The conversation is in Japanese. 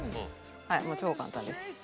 はいもう超簡単です。